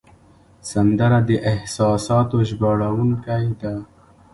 سندره د احساساتو ژباړونکی ده